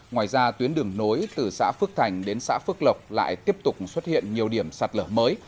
ngoài ra tuyến đường nối từ xã phước thành đến xã phước lộc lại tiếp tục xuất hiện nhiều điểm sạt lở mới